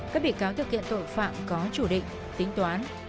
các bị cáo thực hiện tội phạm có chủ định tính toán